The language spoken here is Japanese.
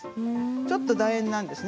ちょっと、だ円なんですね。